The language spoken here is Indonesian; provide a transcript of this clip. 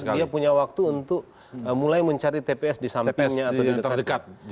dia punya waktu untuk mulai mencari tps di sampingnya